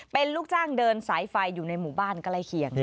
เป็นลูกจ้างเดินสายไฟอยู่ในหมู่บ้านใกล้เคียง